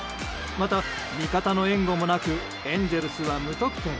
また、味方の援護もなくエンゼルスは無得点。